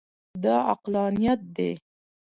دا عقلانیت دی.